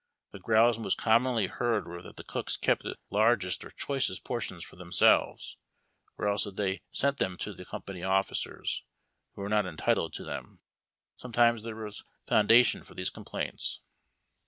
The growls most commonly heard were that the cooks kept the largest or choicest por tions for themselves, or else that they sent them to the company officers, who were not entitled to them. Some times there was foundation for these complaints.